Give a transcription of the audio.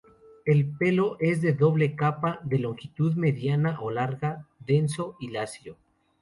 El pelo es de doble capa, de longitud mediana o larga, denso y lacio.